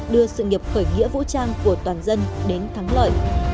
đưa sự nghiệp khởi nghĩa vũ trang của toàn dân đến thắng lợi